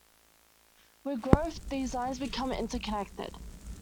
With growth these lines become interconnected.